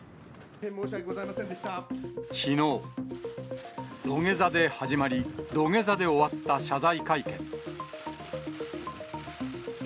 きのう、土下座で始まり、土下座で終わった謝罪会見。